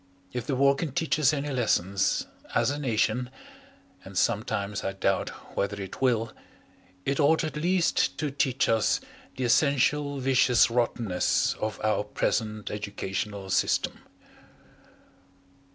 If the War can teach us any lessons, as a nation and sometimes I doubt whether it will it ought at least to teach us the essential vicious rottenness of our present educational system.